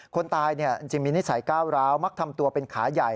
คนตายจริงมีนิสัยก้าวร้าวมักทำตัวเป็นขาใหญ่